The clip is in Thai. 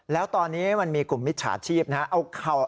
แล้วตอนนี้มันมีกลุ่มมิจฉาชีพนะครับ